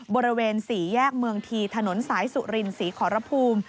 บริเวณ๔แยกเมืองทีถนนสายสุรินศรีขอรภูมิ